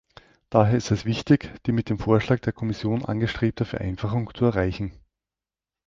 Daher ist es wichtig, die mit dem Vorschlag der Kommission angestrebte Vereinfachung zu erreichen.